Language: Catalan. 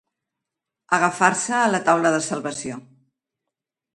Agafar-se a la taula de salvació.